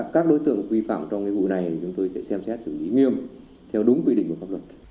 các đối tượng quy phạm trong vụ này thì chúng tôi sẽ xem xét sự ý nghiêm theo đúng quy định của pháp luật